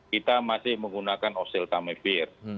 kita masih menggunakan oseltamivir